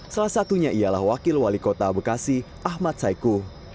salah satunya ialah wakil wali kota bekasi ahmad saiku